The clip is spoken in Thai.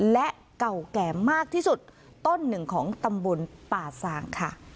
และเก่าแก่มากที่สุดต้นหนึ่งของตำบลป่าซางค่ะ